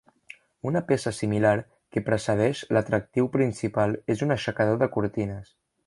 Una peça similar que precedeix l'atractiu principal és un aixecador de cortines.